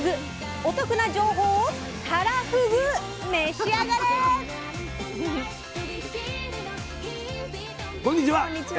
お得な情報を「たらふぐ」召し上がれ！こんにちは。